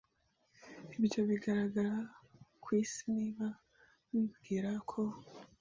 ibyo bigaragara kwisi Niba bibwira ko.